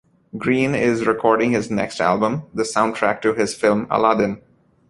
Green is recording his next album, the soundtrack to his film "Aladdin".